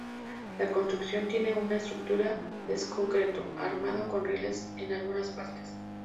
La construcción tiene una estructura es concreto armado con rieles en algunas partes.